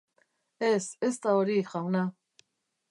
Ez, ez da hori, jauna.